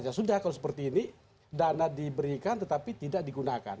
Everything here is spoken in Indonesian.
ya sudah kalau seperti ini dana diberikan tetapi tidak digunakan